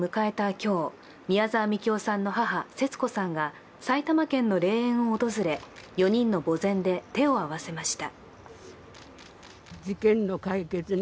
今日宮沢みきおさんの母・節子さんが埼玉県の霊園を訪れ、４人の墓前で手を合わせました。